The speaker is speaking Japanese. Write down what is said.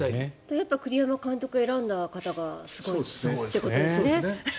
やっぱり栗山監督を選んだ方がすごいということですよね。